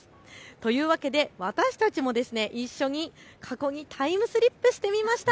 というわけで私たちも一緒に過去にタイムスリップしてみました。